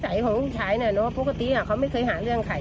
สายของลูกชายปกติพวกเขาไม่เคยหาคำถามในเรื่องใคร